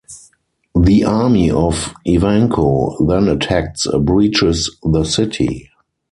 The army of Evanco then attacks and breaches the city.